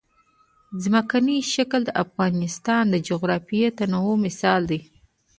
ځمکنی شکل د افغانستان د جغرافیوي تنوع مثال دی.